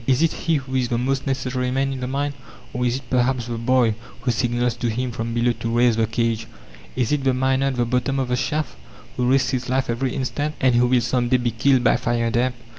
Is it he who is the most necessary man in the mine? Or, is it perhaps the boy who signals to him from below to raise the cage? Is it the miner at the bottom of the shaft, who risks his life every instant, and who will some day be killed by fire damp?